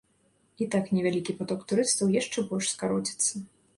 І так невялікі паток турыстаў яшчэ больш скароціцца.